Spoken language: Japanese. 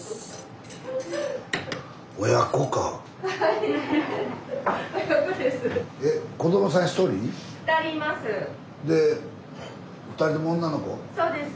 親子です。